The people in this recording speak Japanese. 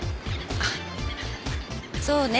あっそうね。